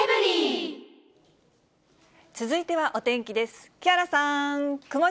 続いてはお天気です。